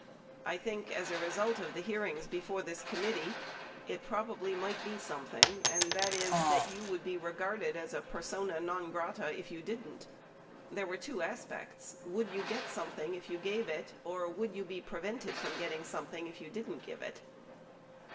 I think as a result of the hearings before this committee, it probably might be something, and that is that you would be regarded as a persona non grata if you didn't. There were two aspects: Would you get something if you gave it, or w T ould you be prevented from getting something if you didn't give it